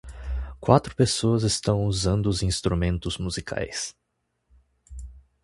Quatro pessoas estão usando os instrumentos musicais.